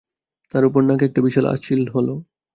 তার উপর নাকে একটা বিশাল আঁচিল হলো।